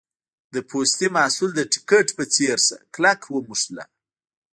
د پوستي محصول د ټیکټ په څېر شه کلک ونښله.